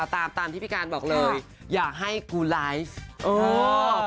ตามตามที่พี่การบอกเลยอย่าให้กูไลฟ์